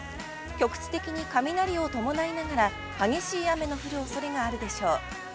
局地的に雷を伴いながら激しい雨の降るおそれがあるでしょう。